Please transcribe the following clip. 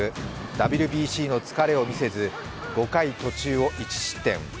ＷＢＣの疲れを見せず、５回途中を１失点。